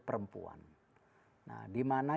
perempuan nah di mana